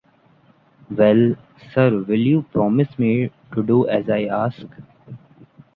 Well! Sir, will you promise me to do as I ask?